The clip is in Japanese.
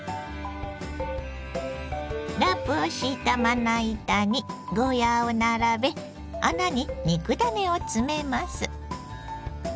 ラップを敷いたまな板にゴーヤーを並べ穴に肉ダネを詰めます。